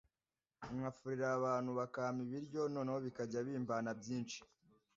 nkafurira abantu bakampa ibiryo noneho bikajya bimbana byinshi